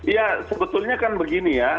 ya sebetulnya kan begini ya